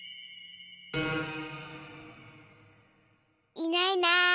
いないいない。